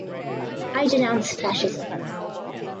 I denounce fascism.